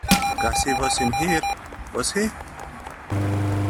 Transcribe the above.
Gussie was in here, was he?